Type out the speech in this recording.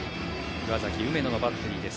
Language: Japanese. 岩崎、梅野のバッテリーです。